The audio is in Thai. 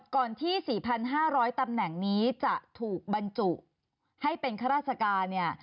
ก่อนที่๔๕๐๐ตำแหน่งนี้จะถูกบรรจุให้เป็นข้าราชการเนี่ย